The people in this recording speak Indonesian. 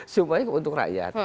sumpahnya untuk rakyat